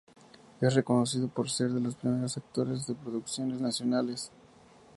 Es reconocido por ser de los primeros actores de producciones nacionales.